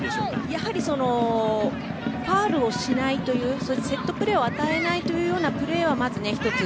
やはり、ファウルをしないそしてセットプレーを与えないプレーはまず１つ